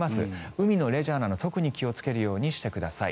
海のレジャーなど特に気をつけるようにしてください。